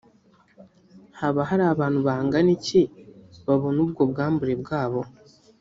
Haba hari abantu bangana iki babona ubwo bwambure bwabo